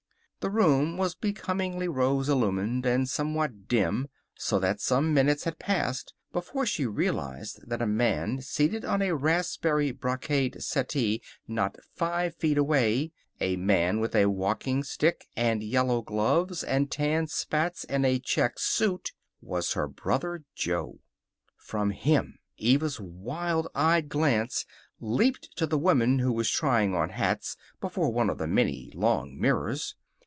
The room was becomingly rose illumined and somewhat dim, so that some minutes had passed before she realized that a man seated on a raspberry brocade settee not five feet away a man with a walking stick, and yellow gloves, and tan spats, and a check suit was her brother Jo. From him Eva's wild eyed glance leaped to the woman who was trying on hats before one of the many long mirrors.